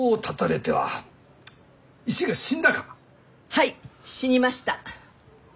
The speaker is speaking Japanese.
はい死にました。